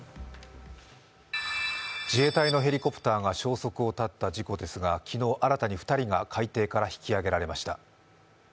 自衛隊のヘリコプターが消息を絶った事故ですが、昨日新たに２人が海底から引き揚げられました。